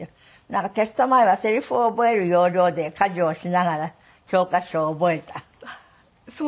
なんかテスト前はセリフを覚える要領で家事をしながら教科書を覚えたって。